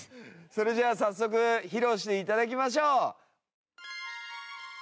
それじゃあ早速披露して頂きましょう。